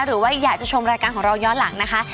หรือว่าอยากจะชมรายการของเราย้อนหลังนะคะ